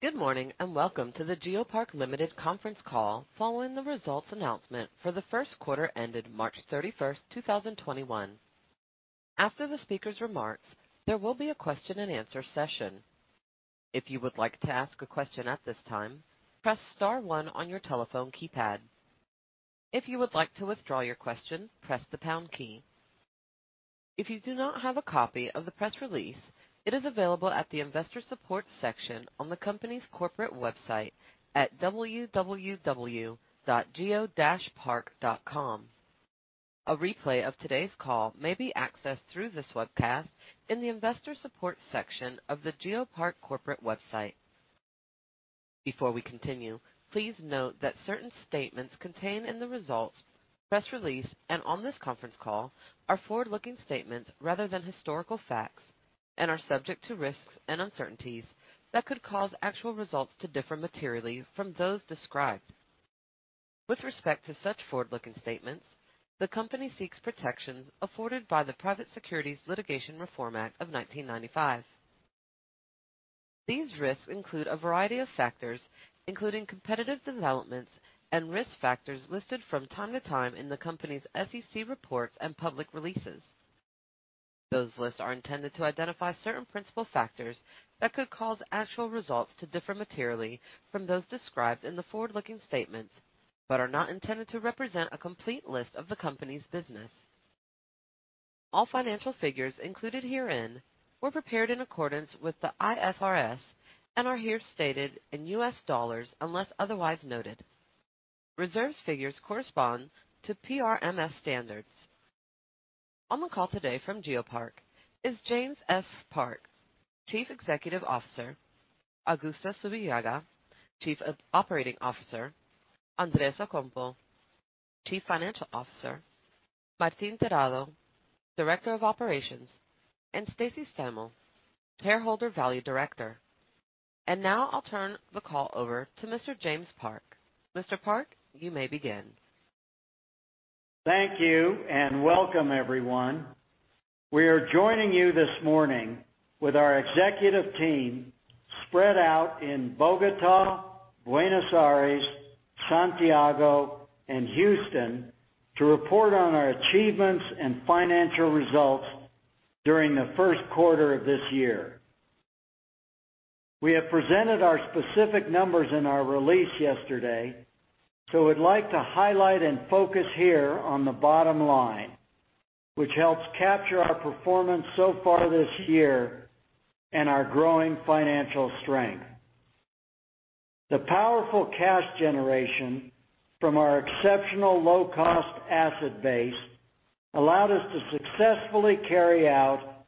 Good morning, and welcome to the GeoPark Limited Conference Call following the results announcement for the first quarter ended March 31st, 2021. After the speaker's remarks, there will be a question and answer session. If you would like to ask a question at this time, press star one on your telephone keypad. If you would like to withdraw your question, press the pound key. If you do not have a copy of the press release, it is available at the investor support section on the company's corporate website at www.geopark.com. A replay of today's call may be accessed through this webcast in the investor support section of the GeoPark corporate website. Before we continue, please note that certain statements contained in the results, press release, and on this conference call are forward-looking statements rather than historical facts and are subject to risks and uncertainties that could cause actual results to differ materially from those described. With respect to such forward-looking statements, the company seeks protections afforded by the Private Securities Litigation Reform Act of 1995. These risks include a variety of factors, including competitive developments and risk factors listed from time to time in the company's SEC reports and public releases. Those lists are intended to identify certain principal factors that could cause actual results to differ materially from those described in the forward-looking statements but are not intended to represent a complete list of the company's business. All financial figures included herein were prepared in accordance with the IFRS and are here stated in US dollars unless otherwise noted. Reserve figures correspond to PRMS standards. On the call today from GeoPark is James F. Park, Chief Executive Officer, Augusto Zubillaga, Chief Operating Officer, Andrés Ocampo, Chief Financial Officer, Martín Terrado, Director of Operations, and Stacy Steimel, Shareholder Value Director. Now I'll turn the call over to Mr. James Park. Mr. Park, you may begin. Thank you, and welcome everyone. We are joining you this morning with our executive team spread out in Bogotá, Buenos Aires, Santiago, and Houston to report on our achievements and financial results during the first quarter of this year. We have presented our specific numbers in our release yesterday, so we'd like to highlight and focus here on the bottom line, which helps capture our performance so far this year and our growing financial strength. The powerful cash generation from our exceptional low-cost asset base allowed us to successfully carry out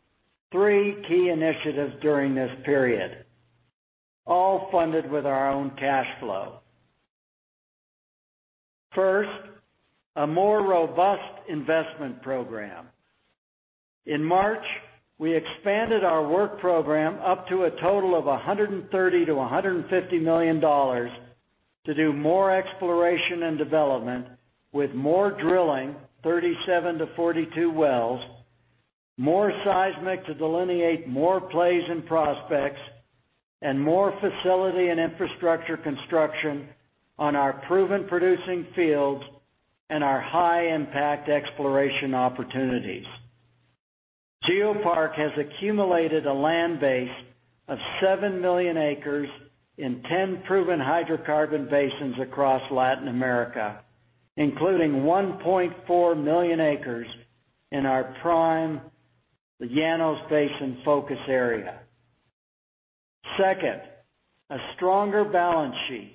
three key initiatives during this period, all funded with our own cash flow. First, a more robust investment program. In March, we expanded our work program up to a total of $130 million-$150 million to do more exploration and development with more drilling, 37-42 wells, more seismic to delineate more plays and prospects, and more facility and infrastructure construction on our proven producing fields and our high-impact exploration opportunities. GeoPark has accumulated a land base of 7 million acres in 10 proven hydrocarbon basins across Latin America, including 1.4 million acres in our prime, the Llanos Basin focus area. Second, a stronger balance sheet.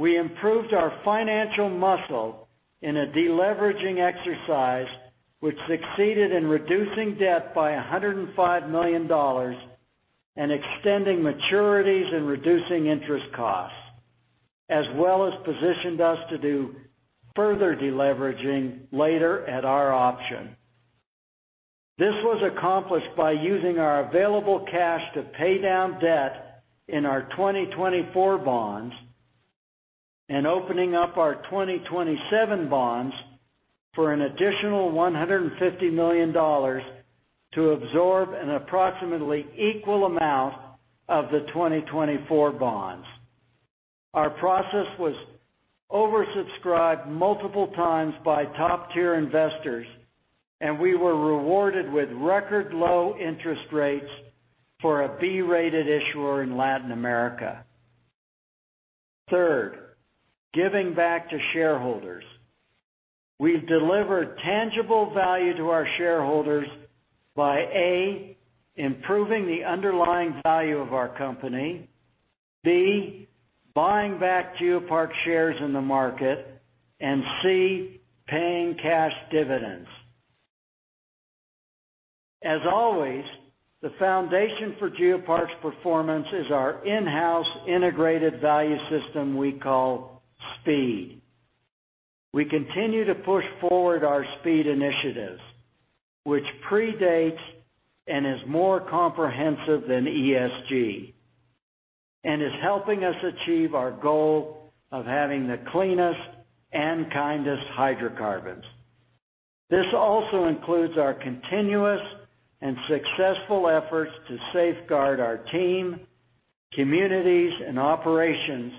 We improved our financial muscle in a deleveraging exercise which succeeded in reducing debt by $105 million and extending maturities and reducing interest costs, as well as positioned us to do further deleveraging later at our option. This was accomplished by using our available cash to pay down debt in our 2024 bonds and opening up our 2027 bonds for an additional $150 million to absorb an approximately equal amount of the 2024 bonds. Our process was oversubscribed multiple times by top-tier investors, and we were rewarded with record low interest rates for a B-rated issuer in Latin America. Third, giving back to shareholders. We've delivered tangible value to our shareholders by, A, improving the underlying value of our company, B, buying back GeoPark shares in the market, and C, paying cash dividends. As always, the foundation for GeoPark's performance is our in-house integrated value system we call SPEED. We continue to push forward our SPEED initiatives, which predates and is more comprehensive than ESG and is helping us achieve our goal of having the cleanest and kindest hydrocarbons. This also includes our continuous and successful efforts to safeguard our team, communities, and operations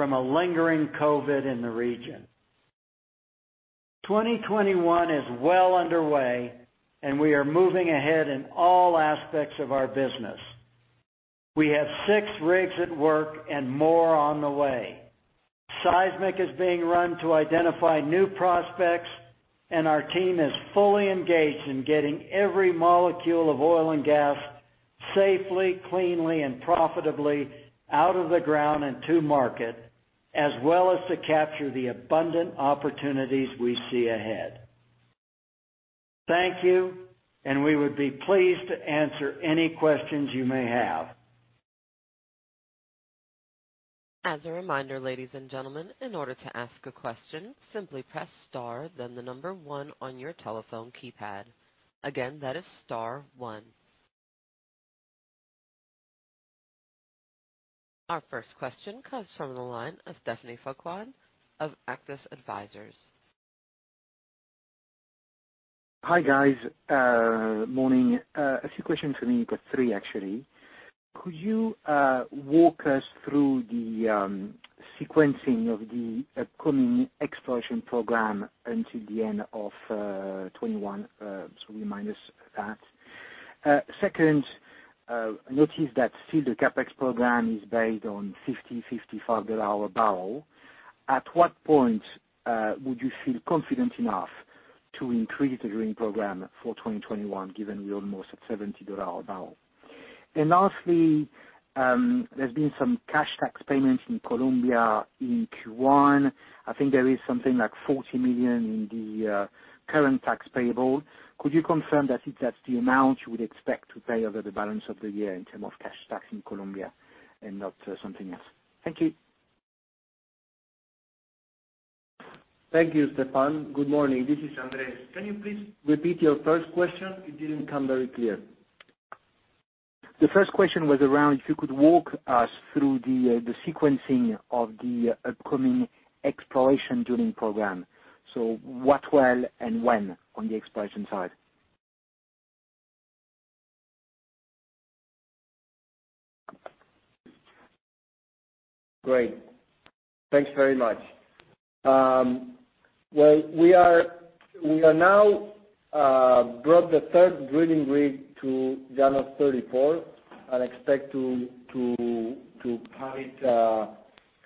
from a lingering COVID in the region. 2021 is well underway, and we are moving ahead in all aspects of our business. We have six rigs at work and more on the way. Seismic is being run to identify new prospects, and our team is fully engaged in getting every molecule of oil and gas safely, cleanly, and profitably out of the ground and to market, as well as to capture the abundant opportunities we see ahead. Thank you, and we would be pleased to answer any questions you may have. As a reminder, ladies and gentlemen, in order to ask a question, simply press star then the number one on your telephone keypad. Again, that is star one. Our first question comes from the line of Stephane Foucaud of Auctus Advisors. Hi, guys. Morning. A few questions for me, got three, actually. Could you walk us through the sequencing of the upcoming exploration program until the end of 2021? Remind us of that. Second, I notice that still the CapEx program is based on $50, $55 a barrel. At what point would you feel confident enough to increase the drilling program for 2021, given we're almost at $70 a barrel? Lastly, there's been some cash tax payments in Colombia in Q1. I think there is something like $40 million in the current tax payable. Could you confirm that that's the amount you would expect to pay over the balance of the year in term of cash tax in Colombia and not something else? Thank you. Thank you, Stephane. Good morning. This is Andrés. Can you please repeat your first question? It didn't come very clear. The first question was around if you could walk us through the sequencing of the upcoming exploration drilling program. What well and when on the exploration side? Great. Thanks very much. We are now brought the third drilling rig to Llanos 34 and expect to have it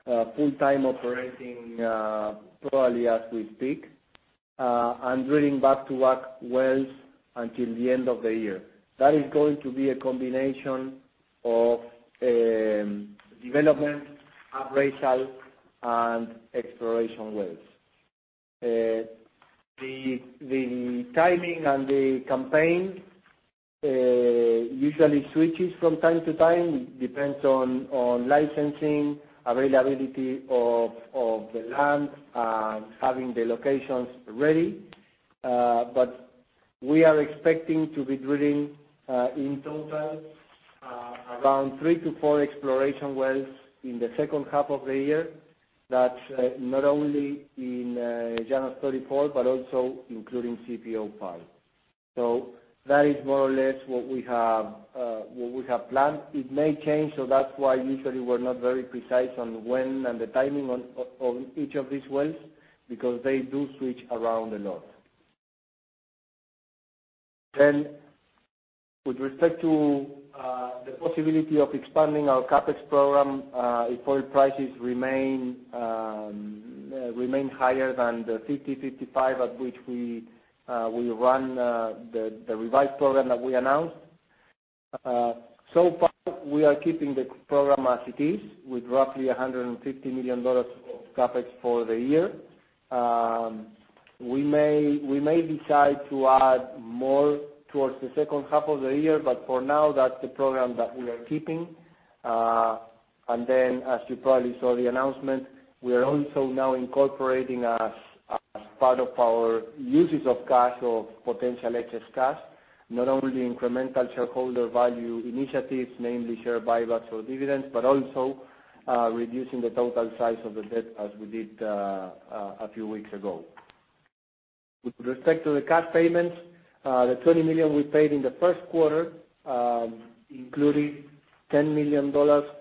full-time operating probably as we speak, and drilling back to work wells until the end of the year. That is going to be a combination of development, appraisal, and exploration wells. The timing and the campaign usually switches from time to time. It depends on licensing, availability of the land, and having the locations ready. We are expecting to be drilling, in total, around three to four exploration wells in the second half of the year. That's not only in Llanos 34, but also including CPO-5. That is more or less what we have planned. It may change, so that's why usually we're not very precise on when and the timing on each of these wells because they do switch around a lot. With respect to the possibility of expanding our CapEx program, if oil prices remain higher than the $50, $55 at which we run the revised program that we announced. So far, we are keeping the program as it is with roughly $150 million of CapEx for the year. We may decide to add more towards the second half of the year, but for now, that's the program that we are keeping. As you probably saw the announcement, we are also now incorporating as part of our usage of cash or potential excess cash, not only incremental shareholder value initiatives, namely share buybacks or dividends, but also reducing the total size of the debt as we did a few weeks ago. With respect to the cash payments, the $20 million we paid in the first quarter, including $10 million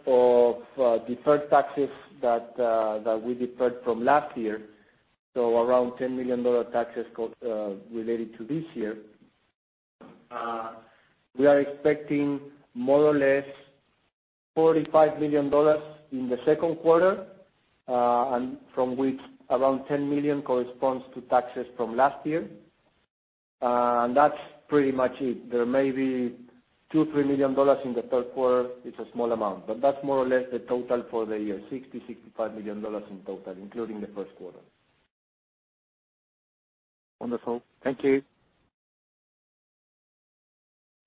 of deferred taxes that we deferred from last year. Around $10 million taxes related to this year. We are expecting more or less $45 million in the second quarter, from which around $10 million corresponds to taxes from last year. That's pretty much it. There may be $2, $3 million in the third quarter. It's a small amount. That's more or less the total for the year, $60, $65 million in total, including the first quarter. Wonderful. Thank you.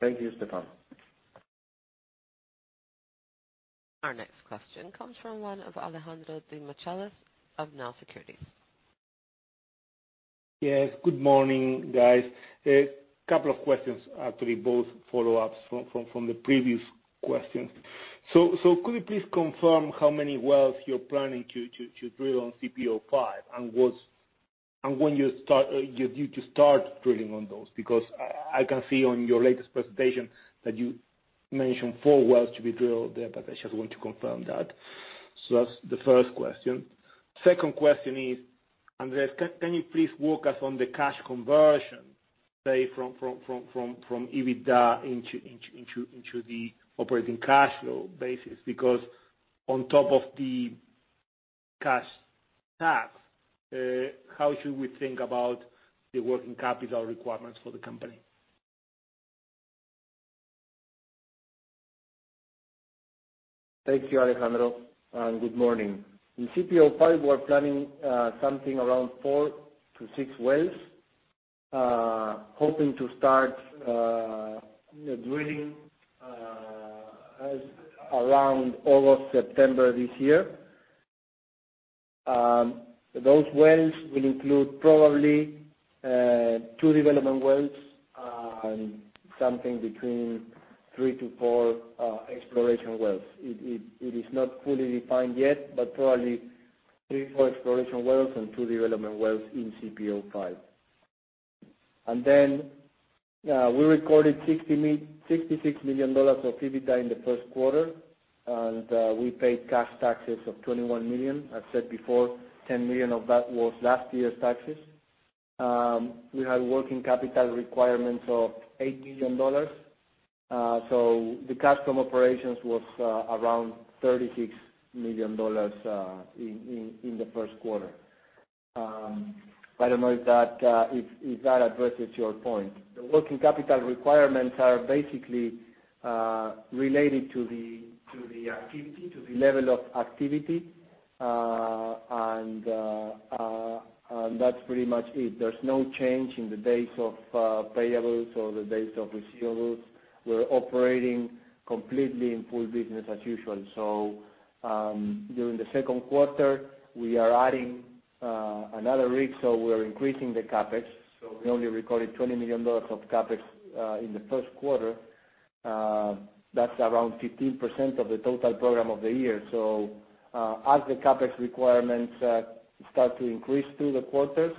Thank you, Stephane. Our next question comes from the line of Alejandro Demichelis of Nau Securities. Yes. Good morning, guys. A couple of questions, actually, both follow-ups from the previous questions. Could you please confirm how many wells you're planning to drill on CPO-5, and when you do start drilling on those? Because I can see on your latest presentation that you mentioned four wells to be drilled there, but I just want to confirm that. That's the first question. Second question is, Andrés, can you please walk us on the cash conversion, say, from EBITDA into the operating cash flow basis? Because on top of the cash tax, how should we think about the working capital requirements for the company? Thank you, Alejandro, good morning. In CPO-5, we're planning something around four to six wells. Hoping to start drilling around August, September this year. Those wells will include probably two development wells and something between three to four exploration wells. It is not fully defined yet, but probably three for exploration wells and two development wells in CPO-5. We recorded $66 million of EBITDA in the first quarter, and we paid cash taxes of $21 million. I've said before, $10 million of that was last year's taxes. We had working capital requirements of $8 million. The cash from operations was around $36 million in the first quarter. I don't know if that addresses your point. The working capital requirements are basically related to the activity, to the level of activity, and that's pretty much it. There's no change in the days of payables or the days of receivables. We're operating completely in full business as usual. During the second quarter, we are adding another rig, so we're increasing the CapEx. We only recorded $20 million of CapEx in the first quarter. That's around 15% of the total program of the year. As the CapEx requirements start to increase through the quarters,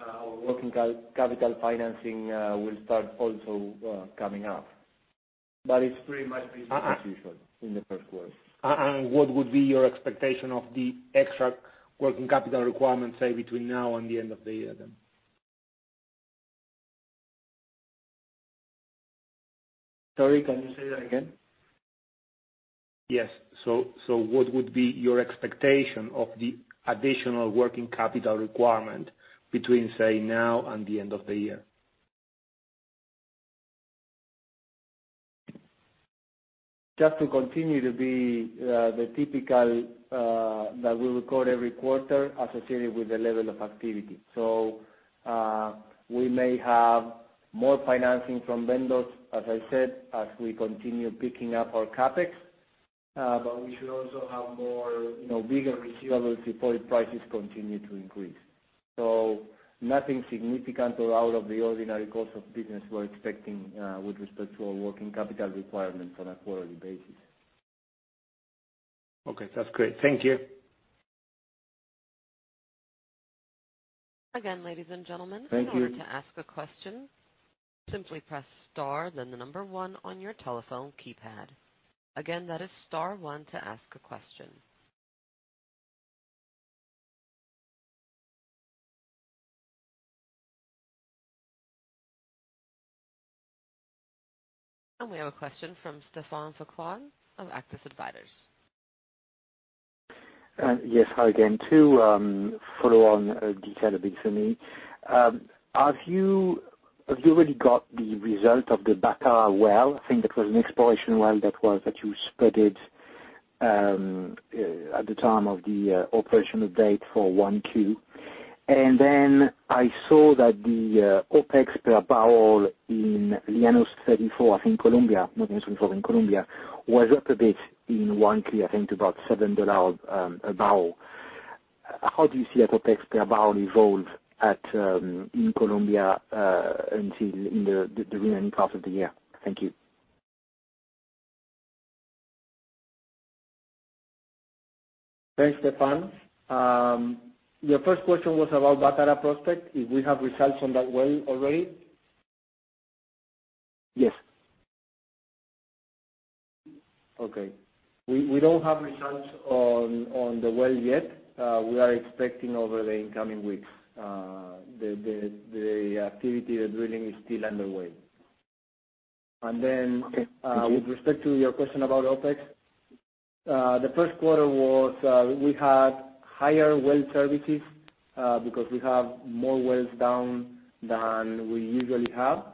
our working capital financing will start also coming up. It's pretty much business as usual in the first quarter. What would be your expectation of the extra working capital requirements, say between now and the end of the year, then? Sorry, can you say that again? Yes. What would be your expectation of the additional working capital requirement between, say, now and the end of the year? Just to continue to be the typical that we record every quarter associated with the level of activity. We may have more financing from vendors, as I said, as we continue picking up our CapEx. We should also have more, bigger receivables if oil prices continue to increase. Nothing significant or out of the ordinary course of business we're expecting with respect to our working capital requirements on a quarterly basis. Okay. That's great. Thank you. Again, ladies and gentlemen. Thank you. We have a question from Stephane Foucaud of Auctus Advisors. Yes. Hi again. To follow on detail a bit for me. Have you already got the result of the Bacara well? I think that was an exploration well that you spudded at the time of the operational date for Q1. I saw that the OpEx per barrel in Llanos 34, I think Colombia, not in 34, in Colombia, was up a bit in Q1, I think to about $7 a barrel. How do you see OpEx per barrel evolve in Colombia until in the remaining half of the year? Thank you. Thanks, Stephane. Your first question was about Bacara prospect, if we have results on that well already? Yes. Okay. We don't have results on the well yet. We are expecting over the incoming weeks. The activity, the drilling is still underway. Okay. Thank you. With respect to your question about OpEx, the first quarter, we had higher well services because we have more wells down than we usually have.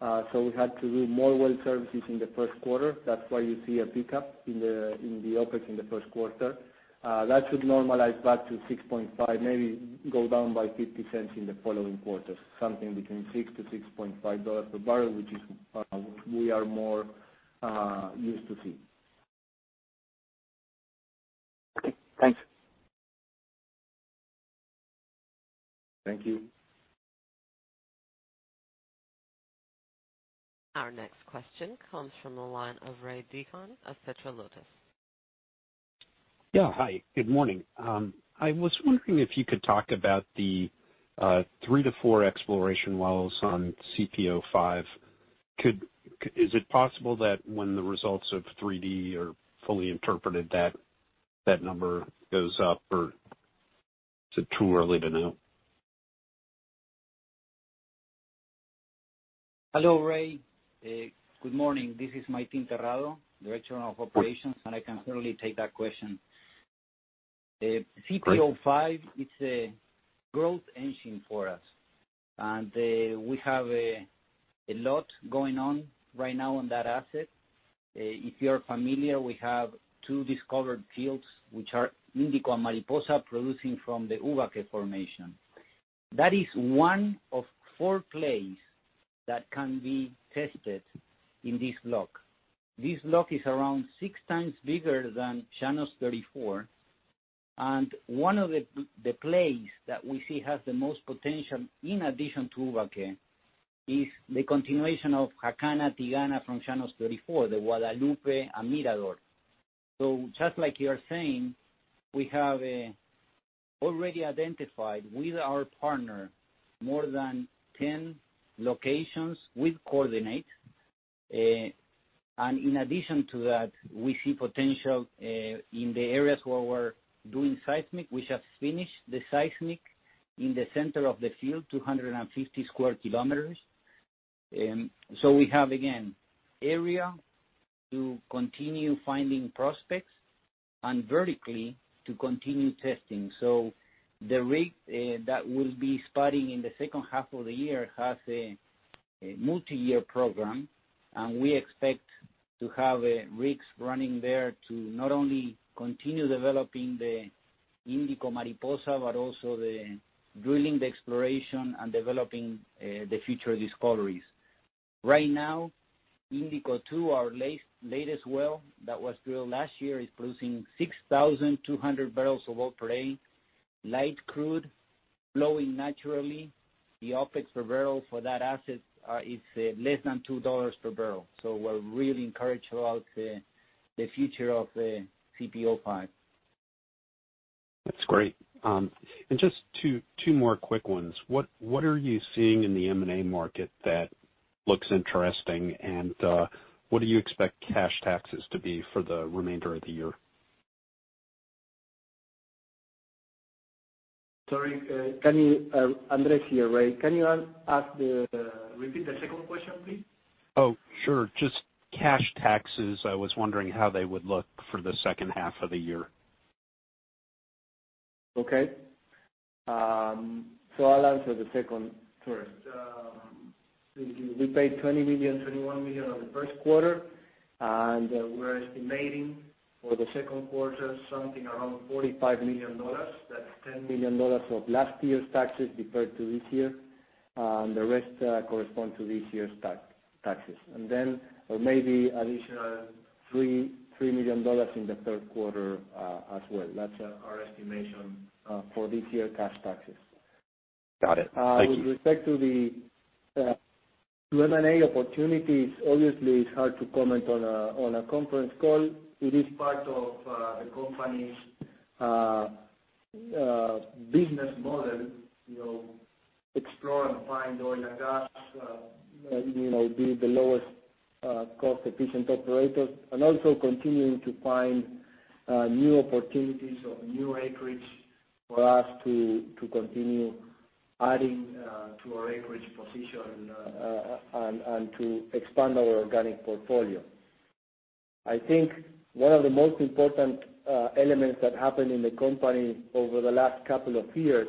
We had to do more well services in the first quarter. That's why you see a pickup in the OpEx in the first quarter. That should normalize back to $6.5, maybe go down by $0.50 in the following quarters, something between $6 to $6.50 per barrel, which we are more used to seeing. Okay, thanks. Thank you. Our next question comes from the line of Ray Deacon of Petro Lotus. Yeah. Hi, good morning. I was wondering if you could talk about the three to four exploration wells on CPO-5. Is it possible that when the results of 3D are fully interpreted, that number goes up, or is it too early to know? Hello, Ray. Good morning. This is Martín Terrado, Director of Operations. I can certainly take that question. Great. CPO-5 is a growth engine for us. We have a lot going on right now on that asset. If you're familiar, we have two discovered fields which are Indico and Mariposa, producing from the Ubaque formation. That is one of four plays that can be tested in this block. This block is around six times bigger than Llanos 34. One of the plays that we see has the most potential, in addition to Ubaque, is the continuation of Jacana-Tigana from Llanos 34, the Guadalupe and Mirador. Just like you are saying, we have already identified with our partner more than 10 locations with coordinates. In addition to that, we see potential, in the areas where we're doing seismic. We have finished the seismic in the center of the field, 250 sq km. We have, again, area to continue finding prospects and vertically to continue testing. The rig that will be starting in the second half of the year has a multi-year program, and we expect to have rigs running there to not only continue developing the Indico, Mariposa, but also the drilling, the exploration, and developing the future discoveries. Right now, Indico-2, our latest well that was drilled last year, is producing 6,200 barrels of oil per day. Light crude flowing naturally. The OpEx per barrel for that asset, is less than $2 per barrel. We're really encouraged about the future of CPO-5. That's great. Just two more quick ones. What are you seeing in the M&A market that looks interesting? What do you expect cash taxes to be for the remainder of the year? Sorry. Andrés here, Ray. Can you repeat the second question, please? Oh, sure. Just cash taxes. I was wondering how they would look for the second half of the year. Okay. I'll answer the second first. We paid $20 million, $21 million on the first quarter, and we're estimating for the second quarter something around $45 million. That's $10 million of last year's taxes deferred to this year, and the rest correspond to this year's taxes. Then, or maybe additional $3 million in the third quarter as well. That's our estimation for this year's cash taxes. Got it. Thank you. With respect to the M&A opportunities, obviously, it's hard to comment on a conference call. It is part of the company's business model to explore and find oil and gas, be the lowest cost-efficient operator, and also continuing to find new opportunities or new acreage for us to continue adding to our acreage position, and to expand our organic portfolio. I think one of the most important elements that happened in the company over the last couple of years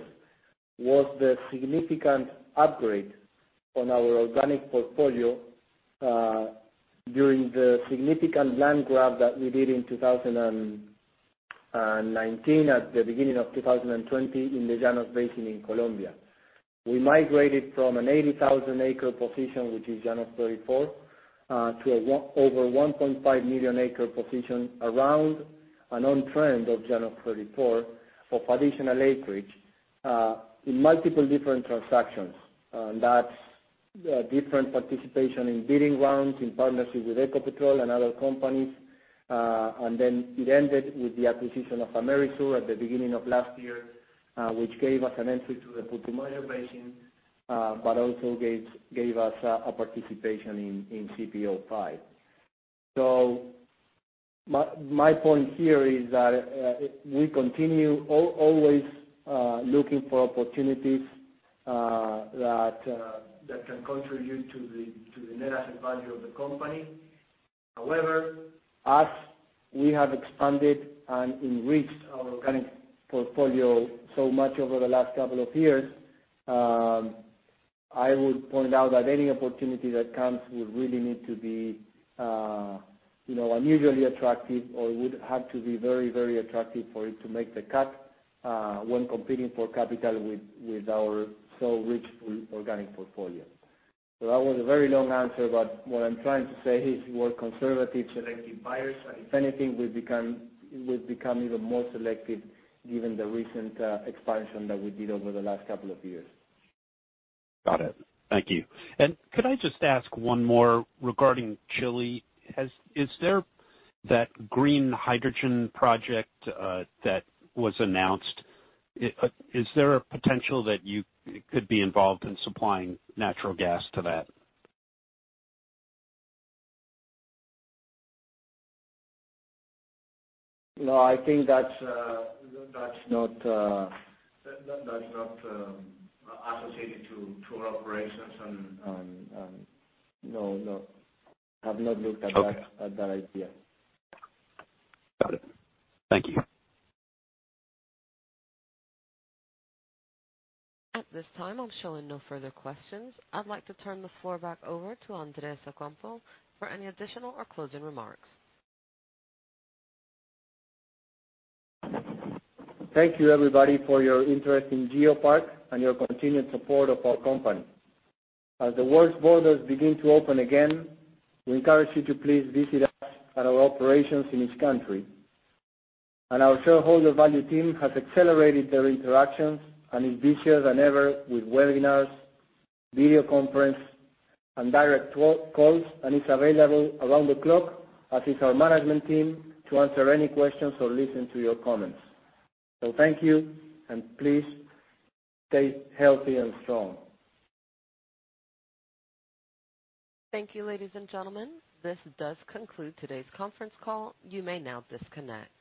was the significant upgrade on our organic portfolio during the significant land grab that we did in 2019, at the beginning of 2020 in the Llanos Basin in Colombia. We migrated from an 80,000-acre position, which is Llanos 34, to over 1.5 million acre position around and on trend of Llanos 34 of additional acreage, in multiple different transactions. That's different participation in bidding rounds in partnership with Ecopetrol and other companies. It ended with the acquisition of Amerisur at the beginning of last year, which gave us an entry to the Putumayo Basin, but also gave us a participation in CPO-5. My point here is that we continue always looking for opportunities that can contribute to the net asset value of the company. However, as we have expanded and enriched our organic portfolio so much over the last couple of years, I would point out that any opportunity that comes would really need to be unusually attractive or would have to be very attractive for it to make the cut, when competing for capital with our so rich organic portfolio. That was a very long answer, but what I'm trying to say is we're conservative, selective buyers, and if anything, we've become even more selective given the recent expansion that we did over the last couple of years. Got it. Thank you. Could I just ask one more regarding Chile? That green hydrogen project that was announced, is there a potential that you could be involved in supplying natural gas to that? No, I think that's not associated to our operations. No, have not looked at that idea. Got it. Thank you. At this time, I'm showing no further questions. I'd like to turn the floor back over to Andrés Ocampo for any additional or closing remarks. Thank you everybody for your interest in GeoPark and your continued support of our company. As the world's borders begin to open again, we encourage you to please visit us at our operations in each country. Our shareholder value team has accelerated their interactions and is busier than ever with webinars, video conference, and direct calls, and is available around the clock, as is our management team, to answer any questions or listen to your comments. Thank you, and please stay healthy and strong. Thank you, ladies and gentlemen. This does conclude today's conference call. You may now disconnect.